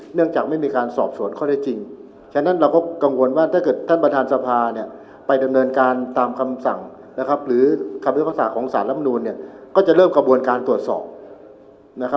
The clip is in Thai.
เนื่องจากไม่มีการสอบสวนข้อได้จริงฉะนั้นเราก็กังวลว่าถ้าเกิดท่านประธานสภาเนี่ยไปดำเนินการตามคำสั่งนะครับหรือคำพิพากษาของสารรับนูนเนี่ยก็จะเริ่มกระบวนการตรวจสอบนะครับ